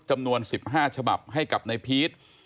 จำนวน๑๕ฉบับให้กับนายพีช